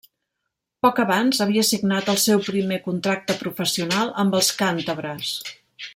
Poc abans, havia signat el seu primer contracte professional amb els càntabres.